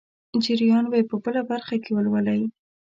جریان به یې په بله برخه کې ولولئ.